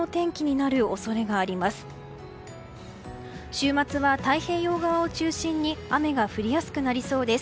週末は太平洋側を中心に雨が降りやすくなりそうです。